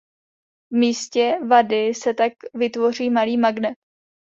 V místě vady se tak vytvoří malý magnet.